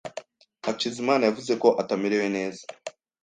Hakizimana yavuze ko atamerewe neza.